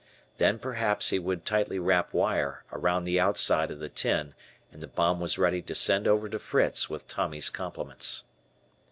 Then perhaps he would tightly wrap wire around the outside of the tin and the bomb was ready to send over to Fritz with Tommy's compliments.